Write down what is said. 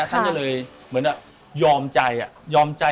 ท่านจะเลยเหมือนยอมใจ